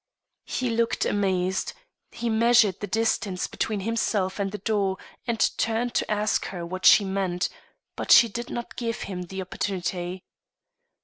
He looked amazed; he measured the distance between himself and the door and turned to ask her what she meant, but she did not give him the opportunity.